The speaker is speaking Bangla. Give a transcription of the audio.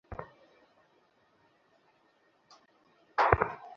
কেউ বলেছেন যে, গলার নিচে তামার পাত রাখা হয়েছিল।